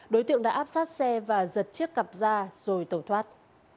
đối tượng đã áp sát xe và giật chiếc cặp ra rồi tẩu thoát